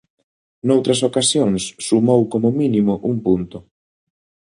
Noutras ocasións sumou como mínimo un punto.